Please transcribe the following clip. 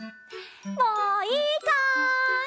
もういいかい？